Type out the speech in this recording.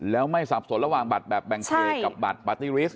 แล้วไม่สับสนระหว่างบัตรแบบแบ่งเขตกับบัตรปาร์ตี้ลิสต